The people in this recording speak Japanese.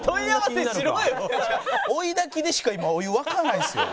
追いだきでしか今お湯沸かないんですよ。